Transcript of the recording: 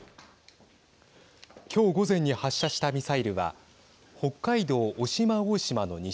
今日午前に発射したミサイルは北海道渡島大島の西